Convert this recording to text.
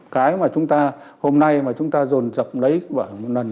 cái mà chúng ta hôm nay dồn dập lấy bảo hiểm một lần